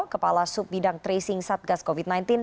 kepala subbidang tracing satgas covid sembilan belas